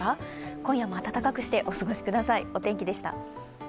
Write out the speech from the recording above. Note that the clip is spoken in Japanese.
今夜も温かくしてお過ごしください。